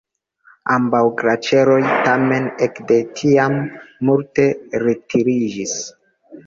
Ambaŭ glaĉeroj tamen ek de tiam multe retiriĝis.